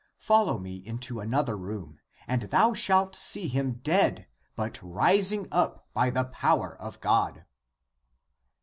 Follow ACTS OF JOHN I4I me into another room, and thou shalt see him dead but rising up by the power of God."